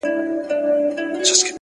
o زما له ملا څخه په دې بد راځي،